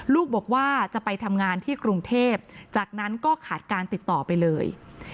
ลูกบอกว่าจะไปทำงานที่กรุงเทพจากนั้นก็ขาดการติดต่อไปเลย